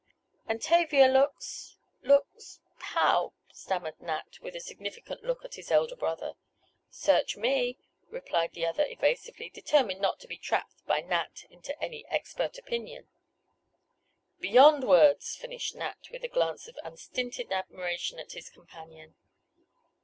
"And Tavia looks—looks—how?" stammered Nat, with a significant look at his elder brother. "Search me!" replied the other evasively, determined not to be trapped by Nat into any "expert opinion." "Beyond words!" finished Nat, with a glance of unstinted admiration at his companion.